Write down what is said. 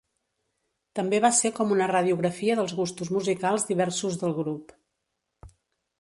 També va ser com una radiografia dels gustos musicals diversos del grup.